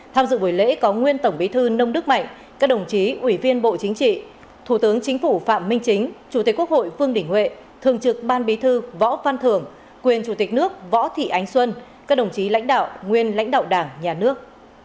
tham dự buổi lễ có nguyên tổng bí thư nông đức mạnh các đồng chí ủy viên bộ chính trị thủ tướng chính phủ phạm minh chính chủ tịch quốc hội vương đình huệ thường trực ban bí thư võ văn thưởng quyền chủ tịch nước võ thị ánh xuân các đồng chí lãnh đạo nguyên lãnh đạo đảng nhà nước